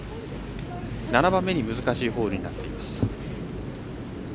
７番目に難しいホールになっています。